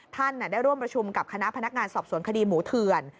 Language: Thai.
ท่านได้ร่วมประชุมกับคณะพนักงานสอบสวนคดีหมูเถื่อน